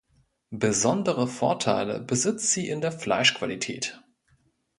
Besondere Vorteile besitzt sie in der Fleischqualität.